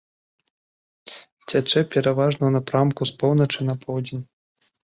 Цячэ пераважна ў напрамку з поўначы на поўдзень.